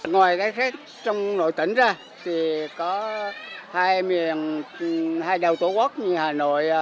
ngoài các khách trong nội tỉnh ra thì có hai miền hai đảo tổ quốc như hà nội